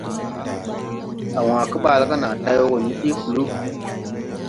A wãã kebaala ga naa tay wo go ni je kluu.